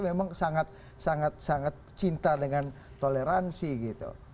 memang sangat sangat cinta dengan toleransi gitu